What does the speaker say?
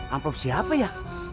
amplop siapa ya